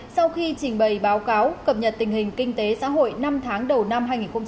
sau khi trình bày báo cáo cập nhật tình hình kinh tế xã hội năm tháng đầu năm hai nghìn một mươi tám